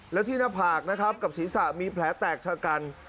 และที่หน้าผากนะครับกับศีรษะมีแผลแตกชะกัน